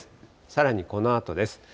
さらにこのあとです。